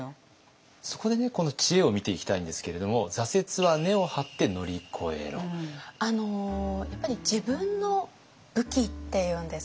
そこでこの知恵を見ていきたいんですけれどもやっぱり自分の武器っていうんですかね